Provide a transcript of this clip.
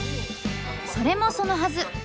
それもそのはず。